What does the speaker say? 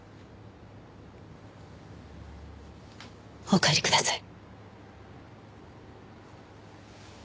お帰りください。